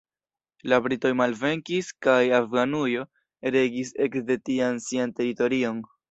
La britoj malvenkis kaj Afganujo regis ekde tiam sian teritorion.